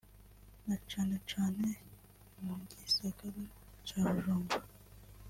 na cane cane mu gisagara ca Bujumbura